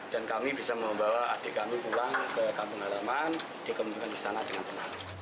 dan kami bisa membawa adik kami pulang ke kampung haraman dikembangkan di sana dengan penuh